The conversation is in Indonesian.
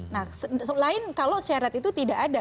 nah selain kalau syarat itu tidak ada